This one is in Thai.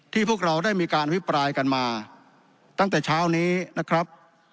พวกเราได้มีการอภิปรายกันมาตั้งแต่เช้านี้นะครับ